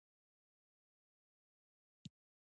ښه کیږم